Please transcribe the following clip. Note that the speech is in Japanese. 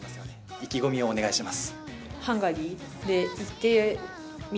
意気込みをお願いします。